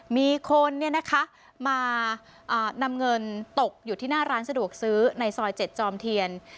มีคนมานำเงินตกอยู่ที่หน้าร้านสะดวกซื้อในซอย๗จอมเทียน